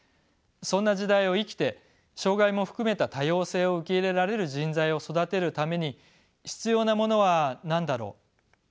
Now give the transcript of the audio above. そんな時代を生きて障がいも含めた多様性を受け入れられる人材を育てるために必要なものは何だろう。